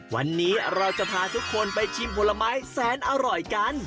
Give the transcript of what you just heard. วันนี้เราจะพาทุกคนไปชิมผลไม้แสนอร่อยกัน